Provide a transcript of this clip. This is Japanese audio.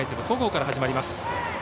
甲から始まります。